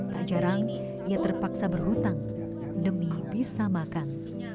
tak jarang ia terpaksa berhutang demi bisa makan